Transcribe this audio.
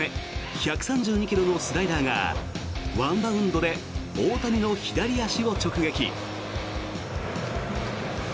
１３２ｋｍのスライダーがワンバウンドで大谷の左足を直撃。